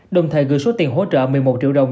đồng thời gửi số tiền hỗ trợ một mươi một triệu đồng